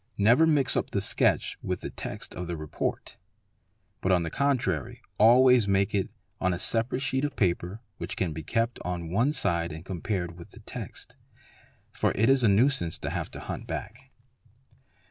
Never mix up the sketch with the text of the report; but on the a) contrary always make it on a separate sheet of paper which can be kept on one side and compared with the text; for it is a nuisance to hii to hunt back.